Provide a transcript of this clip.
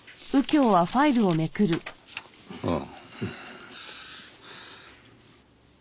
ああ。